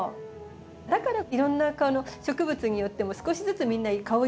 だからいろんな植物によっても少しずつみんな香りが違うよね